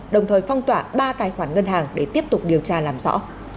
đồng thời phong tỏa ba tài khoản ngân hàng để tiếp tục điều tra làm rõ